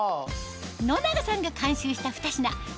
野永さんが監修したふた品え！